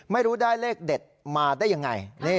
ไม่รู้ได้เลขเด็ดมาได้ยังไง